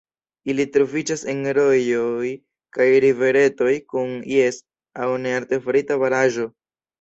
Ili troviĝas en rojoj kaj riveretoj kun jes aŭ ne artefarita baraĵo.